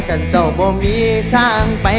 กันเจ้าบ่มีทางไป